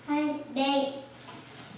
礼。